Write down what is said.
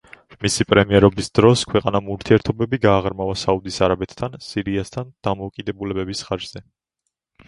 მისი პრემიერობის დროს ქვეყანამ ურთიერთობები გააღრმავა საუდის არაბეთთან, სირიასთან დამოკიდებულებების ხარჯზე.